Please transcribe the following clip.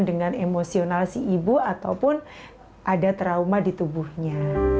dengan emosional si ibu ataupun ada trauma di tubuhnya